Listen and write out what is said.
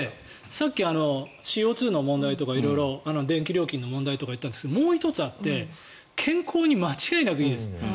さっきＣＯ２とか電気料金の問題とか言ったんですがもう１つあって健康に間違いなくいいです。